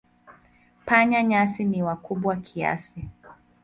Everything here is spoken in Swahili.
Panya-nyasi ni wakubwa kiasi.